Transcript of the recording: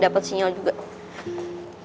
telpon di luar aja deh